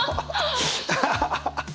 アハハハ。